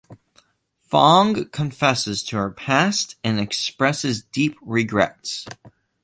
Fong confesses to her past and expresses deep regrets.